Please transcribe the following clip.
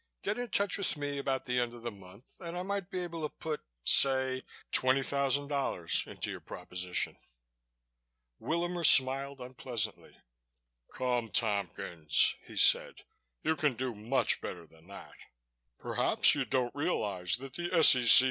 Get in touch with me about the end of the month and I might be able to put say, twenty thousand dollars into your proposition." Willamer smiled unpleasantly. "Come, Tompkins," he said, "you can do much better than that. Perhaps you don't realize that the S.E.C.